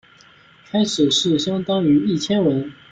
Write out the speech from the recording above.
开始是相当于一千文。